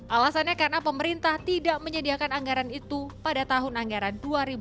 alasannya karena pemerintah tidak menyediakan anggaran itu pada tahun anggaran dua ribu dua puluh